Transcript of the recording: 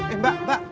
eh mbak mbak